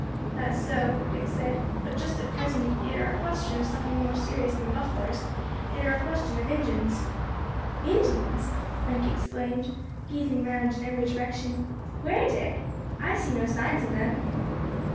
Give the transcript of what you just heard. "That's so," Dick said, "but just at present it air a question of something more serious than bufflars, it air a question of Injins." "Indians!" Frank exclaimed, gazing round in every direction. "Where, Dick? I see no signs of them."